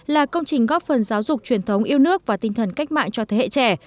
là công trình góp phần giáo dục truyền thống yêu nước và tinh thần cách mạng cho thế hệ trẻ